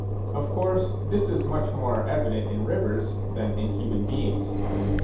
Of course this is much more evident in rivers than in human beings.